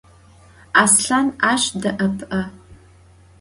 Aslhan aş de'epı'e.